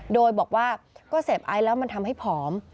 โดยบอกว่าก็เสพไอซ์แล้วมันทำให้ผอม